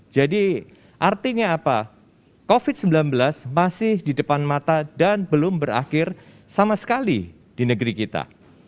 jadi artinya apa covid sembilan belas masih di depan mata dan belum berakhir sama sekali di negeri kita